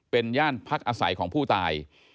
เป็นย่านพักอาศัยของผู้ตาย